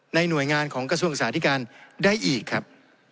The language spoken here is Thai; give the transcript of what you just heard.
หน่วยงานของกระทรวงศึกษาธิการได้อีกครับ